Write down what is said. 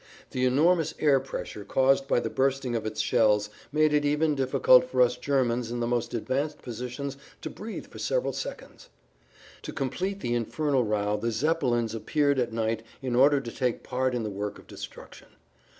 The enormous air pressure caused by the bursting of its shells made it even difficult for us Germans in the most advanced positions to breathe for several seconds. To complete the infernal row the Zeppelins appeared at night in order to take part in the work of destruction.